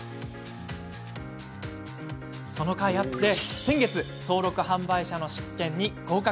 その甲斐あって、先月登録販売者の試験に合格。